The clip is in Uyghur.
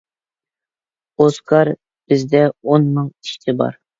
ئوسكار، بىزدە ئون مىڭ ئىشچى بار.